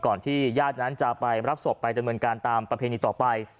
ที่ญาตินั้นจะไปรับศพไปดำเนินการตามประเพณีต่อไป